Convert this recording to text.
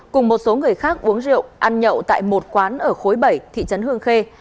cùng một số người khác uống rượu ăn nhậu tại một quán ở khối bảy thị trấn hương khê